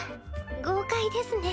豪快ですね。